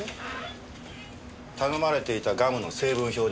頼まれていたガムの成分表です。